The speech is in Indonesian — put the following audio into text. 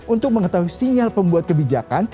untuk mengetahui sinyal pembuat kebijakan mendekati inflasi